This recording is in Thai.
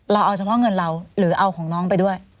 เอาเฉพาะเงินเราหรือเอาของน้องไปด้วย